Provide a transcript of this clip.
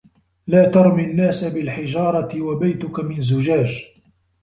لا ترمي الناس بالحجارة وبيتك من زجاج.